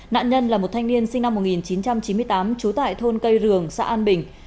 nạn nhân là một thanh niên sinh năm một nghìn chín trăm chín mươi tám trú tại thôn cây rường xã an bình